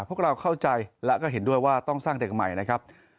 พวกเราเข้าใจและก็เห็นด้วยว่าต้องสร้างเด็กใหม่นะครับ